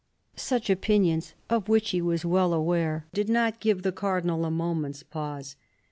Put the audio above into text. Such opinions, of which he was well aware, did not give the Cardinal a moment's pause.